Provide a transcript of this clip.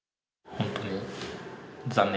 本当に残念。